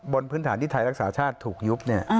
บนพื้นฐานที่ไทยรักษาชาติถูกยุบ